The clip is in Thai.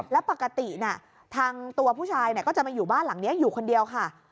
แล้วปกติทางตัวผู้ชายก็จะมาอยู่บ้านหลังนี้อยู่คนเดียวค่ะ